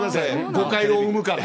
誤解を生むから。